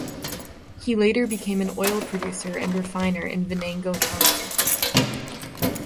He later became an oil producer and refiner in Venango County.